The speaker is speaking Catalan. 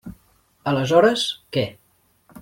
Aleshores, què?